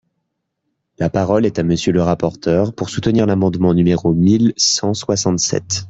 La parole est à Monsieur le rapporteur, pour soutenir l’amendement numéro mille cent soixante-sept.